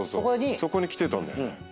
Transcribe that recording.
そこに来てたんだよね。